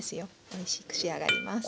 おいしく仕上がります。